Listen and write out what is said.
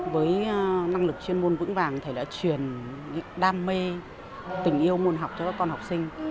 với năng lực chuyên môn vững vàng thầy đã truyền đam mê tình yêu môn học cho các con học sinh